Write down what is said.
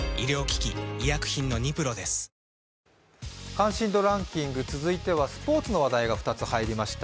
関心度ランキング、続いてはスポーツの話題が２つ入りました。